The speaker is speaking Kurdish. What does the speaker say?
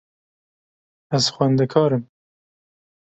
Ez xwendekar im.